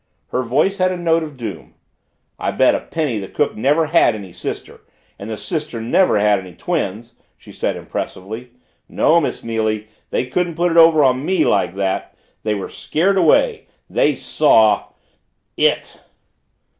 Her voice had a note of doom. "I bet a cent the cook never had any sister and the sister never had any twins," she said impressively. "No, Miss Neily, they couldn't put it over on me like that! They were scared away. They saw It!"